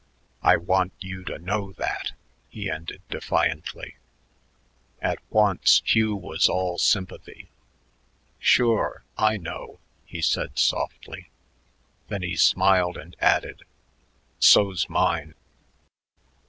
"I want you to know that," he ended defiantly. At once Hugh was all sympathy. "Sure, I know," he said softly. Then he smiled and added, "So's mine."